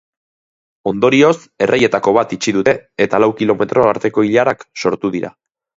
Ondorioz, erreietako bat itxi dute eta lau kilometro arteko ilarak sortu dira.